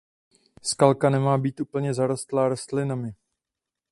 Skalka nemá být úplně zarostlá rostlinami.